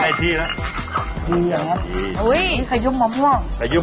ไขยุมมะม่วงไหมไขยุม